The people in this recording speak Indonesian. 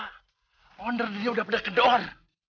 honor dia udah pedas kedor